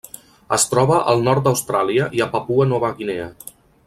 Es troba al nord d'Austràlia i a Papua Nova Guinea.